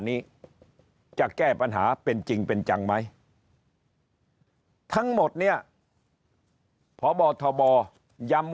นี้จะแก้ปัญหาเป็นจริงเป็นจังไหมทั้งหมดเนี่ยพบทบย้ำ